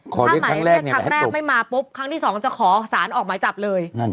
ครั้งแรกไม่มาปุ๊บครั้งที่๒จะขอสารออกไม้จับเลย